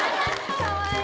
かわいい！